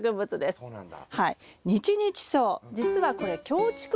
ああそうなんだ！